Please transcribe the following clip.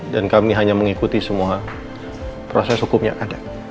dan kami hanya mengikuti semua proses hukum yang ada